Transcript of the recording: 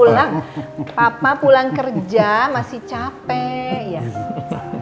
loh papa pulang kerja masih capek